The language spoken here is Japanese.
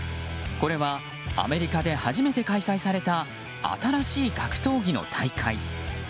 これは、アメリカで初めて開催された新しい格闘技の大会。